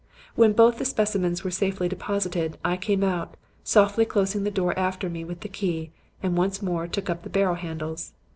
When both the specimens were safely deposited, I came out, softly closing the door after me with the key, and once more took up the barrow handles.